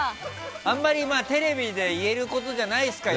あまりテレビで言えることじゃないですか？